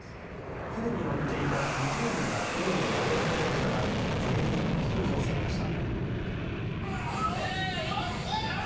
船に乗っていた２０人が海に投げ出されましたが全員救助されました。